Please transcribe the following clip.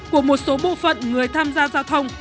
của một số bộ phận người tham gia giao thông